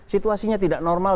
situasinya tidak normal